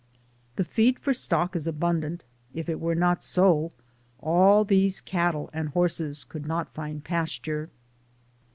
The feed for stock is abundant, if it were not so, all these cattle and horses could not find pasture.